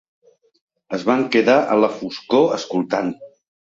Es van quedar en la foscor escoltant.